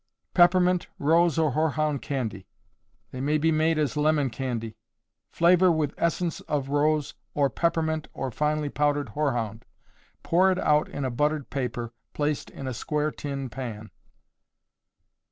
Peppermint, Rose or Hoarhound Candy. They may be made as lemon candy. Flavor with essence of rose or peppermint or finely powdered hoarhound. Pour it out in a buttered paper, placed in a square tin pan.